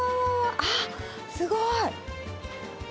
あー、すごい。